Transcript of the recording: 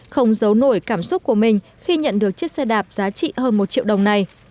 không giấu nổi cảm xúc của mình khi nhận được chiếc xe đạp giá trị hơn một triệu đồng này